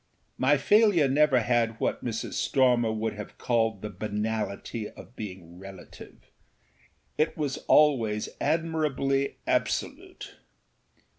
My failure never had what Mrs. Stormer would have called the banality of being relativeâit was always admirably absolute.